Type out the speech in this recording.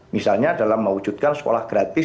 misalnya dalam mewujudkan sekolah gratis